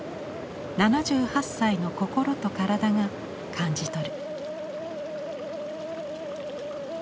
７８歳の心と体が感じ取る。